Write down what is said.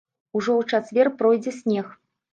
Ужо ў чацвер пройдзе снег.